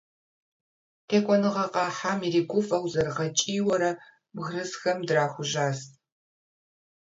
ТекӀуэныгъэ къахьам иригуфӀэу зэрыгъэкӀийуэрэ, бгырысхэм драхужьащ.